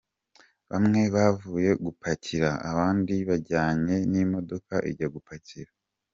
Bamwe bavuye gupakira, abandi bajyanye n’imodoka ijya gupakira.